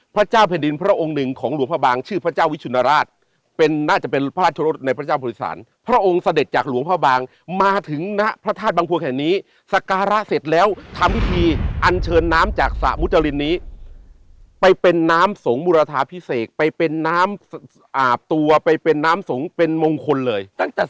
พระเจ้าแผ่นดินพระองค์หนึ่งของหลวงพระบางชื่อพระเจ้าวิชุนราชเป็นน่าจะเป็นพระราชรสในพระเจ้าพุทธศาลพระองค์เสด็จจากหลวงพ่อบางมาถึงนะฮะพระธาตุบังพวงแห่งนี้สการะเสร็จแล้วทำพิธีอันเชิญน้ำจากสระมุจรินนี้ไปเป็นน้ำสงฆ์บุรทาพิเศษไปเป็นน้ำอาบตัวไปเป็นน้ำสงฆ์เป็นมงคลเลยตั้งแต่